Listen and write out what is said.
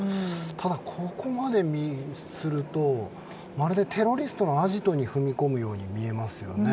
ただ、ここまでするとまるでテロリストのアジトに踏み込むように見えますよね。